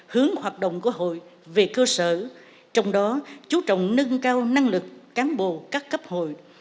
hướng hoạt động của hội về cơ sở trong đó chú trọng nâng cao năng lực cán bộ các cấp hội